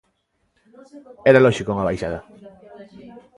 Era lóxica unha baixada.